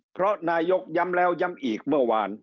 เพราะนายกย้ำแล้วย้ำอีกเมื่อวาน